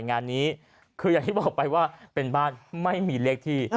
งานนี้คืออย่างที่บอกไปว่าเป็นบ้านไม่มีเลขที่